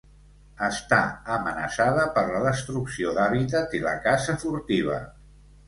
Està amenaçada per la destrucció d'hàbitat i la caça furtiva.